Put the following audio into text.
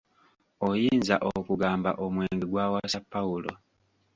Oyinza okugamba omwenge gwawasa Pawulo.